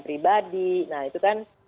pribadi nah itu kan